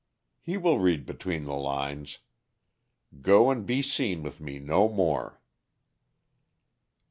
He will read between the lines. Go and be seen with me no more."